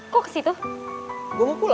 ya udah retire aja ya